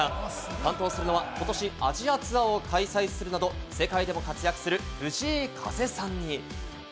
担当するのはことしアジアツアーを開催するなど、世界でも活躍する藤井風さんに。